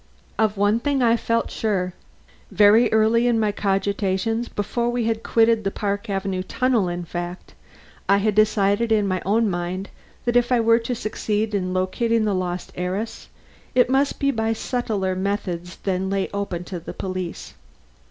Of one thing I felt sure. Very early in my cogitations, before we had quitted the Park Avenue tunnel in fact, I had decided in my own mind that if I were to succeed in locating the lost heiress, it must be by subtler methods than lay open to the police.